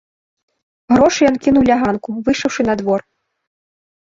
Грошы ён кінуў ля ганку, выйшаўшы на двор.